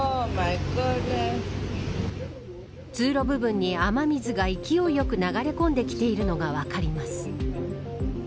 通路部分に雨水が勢いよく流れ込んできているのが分かります。